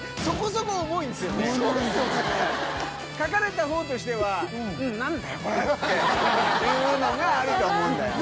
書かれた方としては「何だよこれ」っていうのがあると思うんだよね